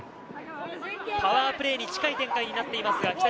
パワープレーに近い展開になっています。